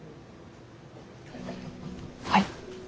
はい。